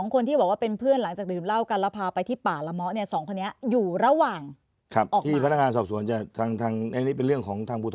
๒คนที่ทำแผนคือคนที่กระทำน้องที่ร้านเกม